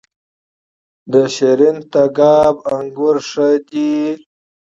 د شیرین تګاب انګور ښه دي